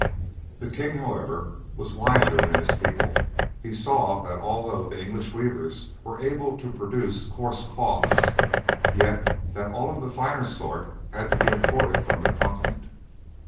The king, however, was wiser than his people, he saw that although the English weavers were able to produce coarse cloths, yet that all of the finer sort had to be imported from the Continent.